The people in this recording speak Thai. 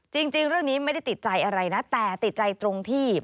จริงเรื่องนี้ไม่ได้ติดใจอะไรนะแต่ติดใจตรงที่